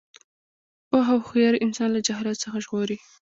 پوهه او هوښیاري انسان له جهالت څخه ژغوري.